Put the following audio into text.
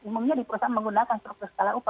umumnya di perusahaan menggunakan struktur skala upah